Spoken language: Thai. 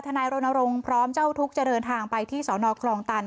นายรณรงค์พร้อมเจ้าทุกข์จะเดินทางไปที่สนคลองตัน